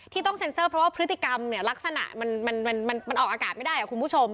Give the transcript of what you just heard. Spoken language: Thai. ต้องเซ็นเซอร์เพราะว่าพฤติกรรมเนี่ยลักษณะมันออกอากาศไม่ได้คุณผู้ชม